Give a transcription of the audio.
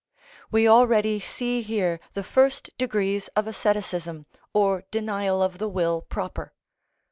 We already see here the first degrees of asceticism, or denial of the will proper.